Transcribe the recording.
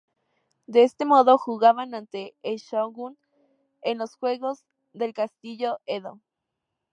De ese modo jugaban ante el shogun en los Juegos del Castillo Edo.